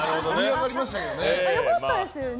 良かったですよね？